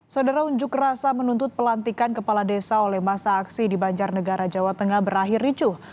saudara unjuk rasa menuntut pelantikan kepala desa oleh masa aksi di banjarnegara jawa tengah berakhir ricuh